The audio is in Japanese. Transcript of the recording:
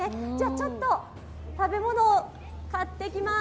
ちょっと食べ物を買ってきまーす。